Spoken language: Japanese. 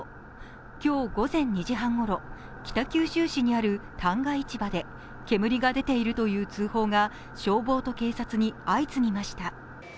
今日午前２時半ごろ北九州市にある旦過市場で煙が出ているという通報が消防と警察に相次ぎました。